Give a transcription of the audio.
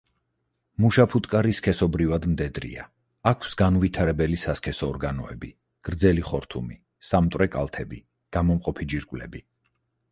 მუშა ფუტკარი სქესობრივად მდედრია; აქვს განუვითარებელი სასქესო ორგანოები, გრძელი ხორთუმი, სამტვრე კალთები, გამომყოფი ჯირკვლები.